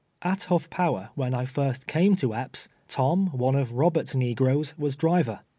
At Huff Power, when I first came to Epps', Tom, one of Eoberts' negroes, was driver.